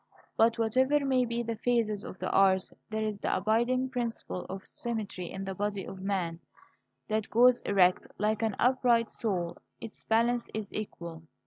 But whatever may be the phases of the arts, there is the abiding principle of symmetry in the body of man, that goes erect, like an upright soul. Its balance is equal.